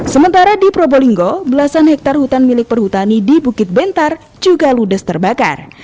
sementara di probolinggo belasan hektare hutan milik perhutani di bukit bentar juga ludes terbakar